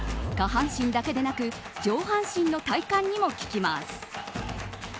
下半身だけでなく上半身の体幹にも効きます。